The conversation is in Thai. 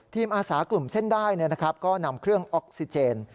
อาสากลุ่มเส้นได้ก็นำเครื่องออกซิเจน